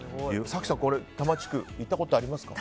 早紀さん、多摩地区行ったことありますか？